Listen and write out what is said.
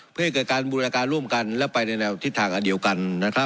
เพื่อให้เกิดการบูรณาการร่วมกันและไปในแนวทิศทางอันเดียวกัน